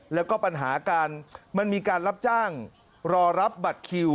แล้วก็ปัญหาการมันมีการรับจ้างรอรับบัตรคิว